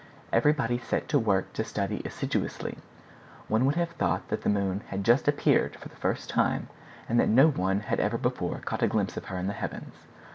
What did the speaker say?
Everybody set to work to study assiduously. One would have thought that the moon had just appeared for the first time, and that no one had ever before caught a glimpse of her in the heavens.